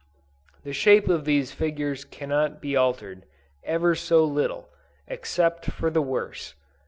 The shape of these figures cannot be altered, ever so little, except for the worse.